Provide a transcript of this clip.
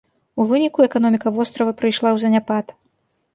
У выніку, эканоміка вострава прыйшла ў заняпад.